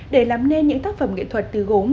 để làm nên những tác phẩm nghệ thuật từ gốm